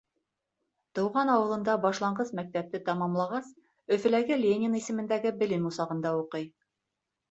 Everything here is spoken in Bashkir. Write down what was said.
Тыуған ауылында башланғыс мәктәпте тамамлағас, Өфөләге Ленин исемендәге белем усағында уҡый.